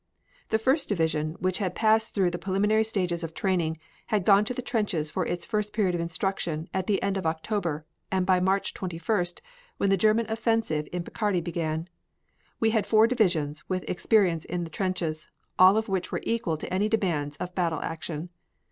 The First Division, which had passed through the preliminary stages of training, had gone to the trenches for its first period of instruction at the end of October and by March 21st, when the German offensive in Picardy began, we had four divisions with experience in the trenches, all of which were equal to any demands of battle action.